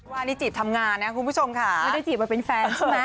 ไม่ได้จีบว่าเป็นแฟนใช่มั้ย